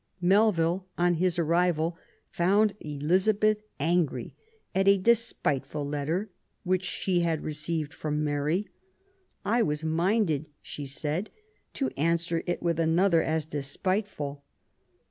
Melville, on his arrival, found Elizabeth angry at a despiteful letter '* which she had received from Mary. I was minded," she said, to answer it with another as despiteful.